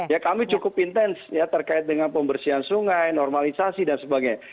ya kami cukup intens ya terkait dengan pembersihan sungai normalisasi dan sebagainya